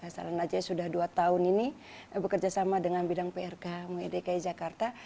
saranajaya sudah dua tahun ini bekerja sama dengan bidang prk dki jakarta